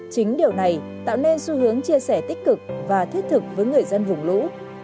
chính điều này tạo nên xu hướng chia sẻ tích cực và thiết thực với người dân vùng lũ